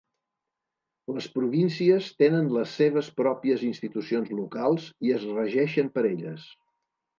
Les províncies tenen les seves pròpies institucions locals i es regeixen per elles.